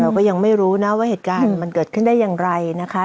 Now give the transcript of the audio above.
ก็ยังไม่รู้นะว่าเหตุการณ์มันเกิดขึ้นได้อย่างไรนะคะ